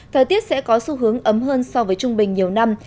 thời tiết sẽ có xu hướng ấm hơn so với trung bình nhiều năm